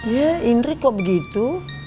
yeh indri kok begitu